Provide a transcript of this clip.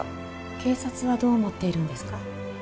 警察はどう思っているんですか？